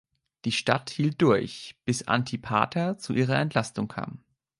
Die Stadt hielt durch, bis Antipater zu ihrer Entlastung kam.